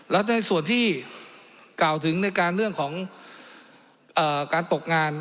แล้วในส่วนที่กล่าวถึงในการเรื่องของการตกงาน